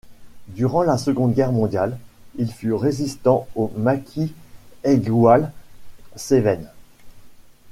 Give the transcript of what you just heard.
Durant la Seconde Guerre mondiale, il fut résistant au Maquis Aigoual-Cévennes.